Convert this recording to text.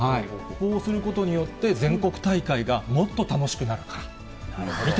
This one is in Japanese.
そうすることによって、全国大会がもっと楽しくなるから。